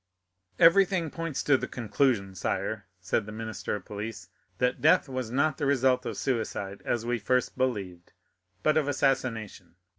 "Everything points to the conclusion, sire," said the minister of police, "that death was not the result of suicide, as we first believed, but of assassination.